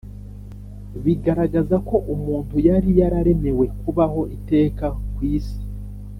bigaragaza ko umuntu yari yararemewe kubaho iteka ku isi